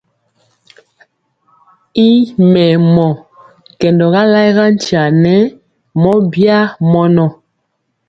I mɛmɔ, kɛndɔga layega nkya nɛ mɔ bya mɔnɔ.